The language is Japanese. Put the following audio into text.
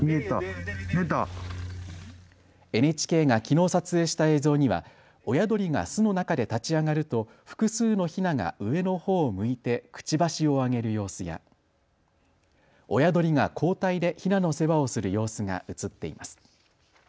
ＮＨＫがきのう撮影した映像には親鳥が巣の中で立ち上がると複数のヒナが上のほうを向いてくちばしを上げる様子や親鳥が交代でヒナの世話をする様子が映っています。